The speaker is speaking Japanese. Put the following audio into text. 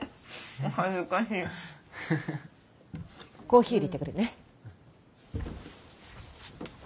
コーヒーいれてくるね。